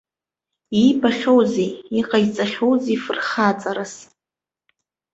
Иибахьоузеи, иҟаиҵахьоузҽи фырхаҵарас?